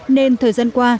nên thời gian qua